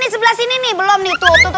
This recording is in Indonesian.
sebelah sini nih belum ditutup ya